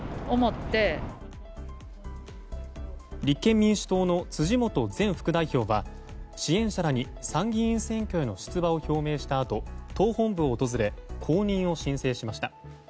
立憲民主党の辻元前副代表は支援者らに参議院選挙への出馬を表明したあと党本部を訪れ公認を申請しました。